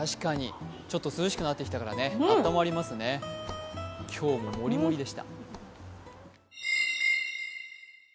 ちょっと涼しくなってきたから温まりますね、今日ももりもりでした。